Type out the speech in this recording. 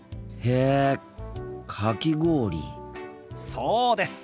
そうです。